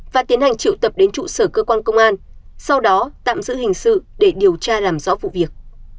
và tiến hành triệu tập đến trụ sở cơ quan công an sau đó tạm giữ hình sự để điều tra làm rõ vụ việc